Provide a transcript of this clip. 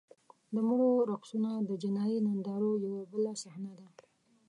د مړو رقصونه د جنایي نندارو یوه بله صحنه ده.